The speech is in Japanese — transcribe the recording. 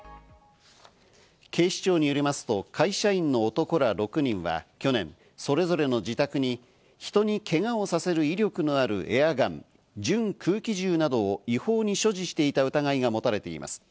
警視庁によりますと会社員の男ら６人は、去年、それぞれの自宅に人にけがをさせる威力のあるエアガン＝準空気銃などを違法に所持していた疑いが持たれています。